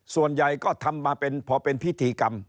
ส่วนใหญ่ก็ทำมาเป็นพอเป็นพิธีกรรม